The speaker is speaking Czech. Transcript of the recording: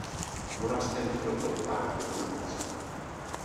V moravské metropoli vážně onemocněl.